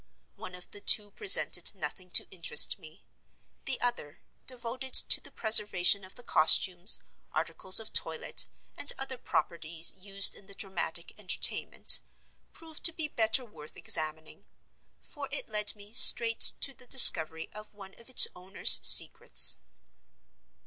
One of the two presented nothing to interest me. The other—devoted to the preservation of the costumes, articles of toilet, and other properties used in the dramatic Entertainment—proved to be better worth examining: for it led me straight to the discovery of one of its owner's secrets.